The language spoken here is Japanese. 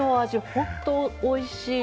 本当、おいしい。